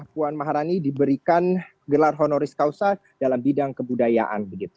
puan maharani diberikan gelar honoris causa dalam bidang kebudayaan